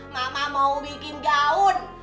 mama mau bikin gaun